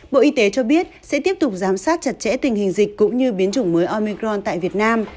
bộ y tế cho biết sẽ tiếp tục giám sát chặt chẽ tình hình dịch cũng như biến chủng mới omicron tại việt nam